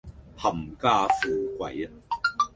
冚家富貴